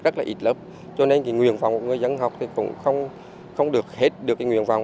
rất là ít lớp cho nên cái nguyện phòng của người dân học thì cũng không được hết được cái nguyện vọng